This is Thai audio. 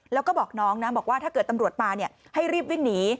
แล้วก็บอกน้องนะบอกว่าถ้าเกิดตำรวจมาให้รีบวิ่งหนี